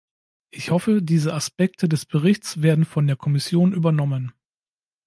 Ich hoffe, diese Aspekte des Berichts werden von der Kommission übernommen.